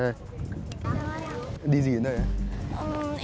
em đi gì đến đây ạ